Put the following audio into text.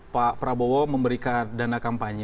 pak prabowo memberikan dana kampanye